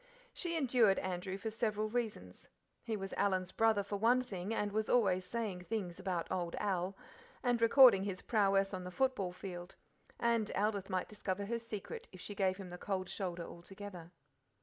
She endured Andrew for several reasons. He was Alan's brother for one thing, and was always saying things about "old Al," and recording his prowess on the football field; and Aldith might discover her secret if she gave him the cold shoulder altogether.